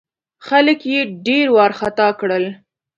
خلک یې ډېر وارخطا کړل.